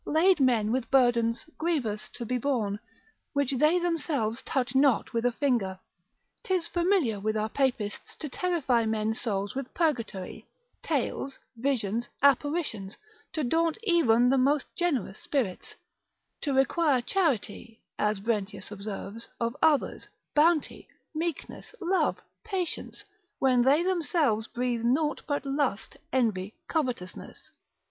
lade men with burdens grievous to be borne, which they themselves touch not with a finger. 'Tis familiar with our papists to terrify men's souls with purgatory, tales, visions, apparitions, to daunt even the most generous spirits, to require charity, as Brentius observes, of others, bounty, meekness, love, patience, when they themselves breathe nought but lust, envy, covetousness.